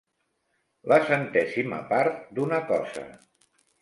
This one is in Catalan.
La centèsima part d'una cosa.